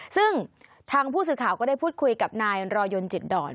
ซึ่งทางผู้สื่อข่าวก็ได้พูดคุยกับนายรอยนจิตดอน